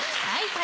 はい。